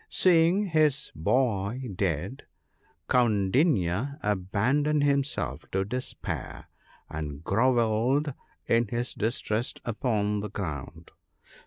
Seeing his boy dead, Kaundinya abandoned himself to despair, and grovelled in his distress upon the ground.